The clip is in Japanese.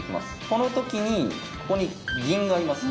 この時にここに銀がいます。